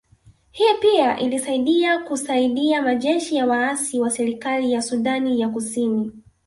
Hii pia ilisaidia kusaidia majeshi ya waasi wa serikali ya Sudani ya Kusini